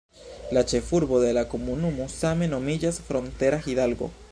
La ĉefurbo de la komunumo same nomiĝas Frontera Hidalgo.